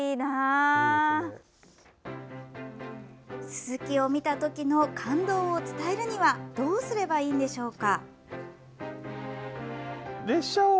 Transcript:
ススキを見た時の感動を伝えるにはどうすればいいのでしょうか。